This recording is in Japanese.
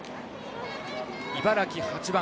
茨城、８番。